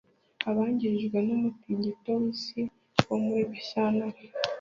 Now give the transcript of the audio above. abangirijwe n’umutingito w’isi wo muri gashyantare,